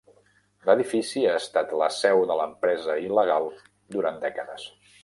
L'edifici ha estat la seu de l'empresa il·legal durant dècades.